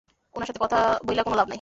উনার সাথে কথা বইলা কোন লাভ নাই।